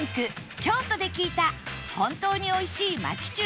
京都で聞いた本当に美味しい町中華のお店